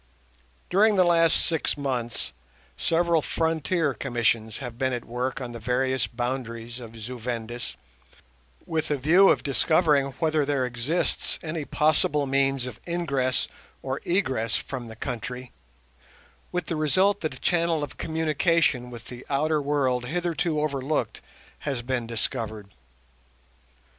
During the last six months several Frontier Commissions have been at work on the various boundaries of Zu Vendis, with a view of discovering whether there exists any possible means of ingress or egress from the country, with the result that a channel of communication with the outer world hitherto overlooked has been discovered.